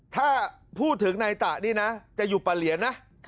ถ้าพูดถึงนายตะนี่นะจะอยู่ปะเหลียนนะ